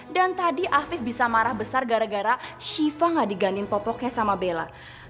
dan tadi afif bisa marah besar gara gara shiva gak digantiin popoknya sama bella